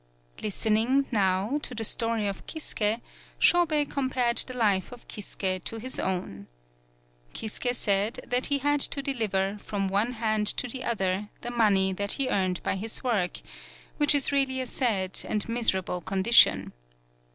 Listening, now, to the story of Kisuke, Shobei compared the life of Kisuke to his own. Kisuke said that he had to deliver, from one hand to the other, the money that he earned by his work, which is really a sad and miser able condition.